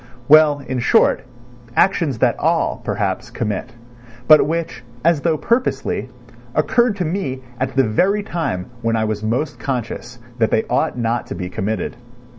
Well, in short, actions that all, perhaps, commit; but which, as though purposely, occurred to me at the very time when I was most conscious that they ought not to be committed.